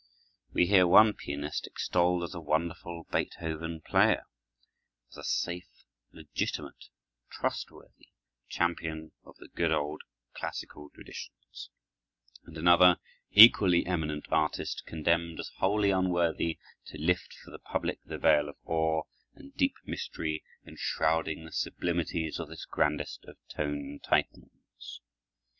We hear one pianist extolled as a wonderful Beethoven player, as a safe, legitimate, trustworthy champion of the good old classical traditions; and another equally eminent artist condemned as wholly unworthy to lift for the public the veil of awe and deep mystery enshrouding the sublimities of this grandest of tone Titans.